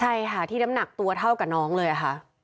ใช่ค่ะที่น้ำหนักตัวเท่ากับน้องเลยค่ะ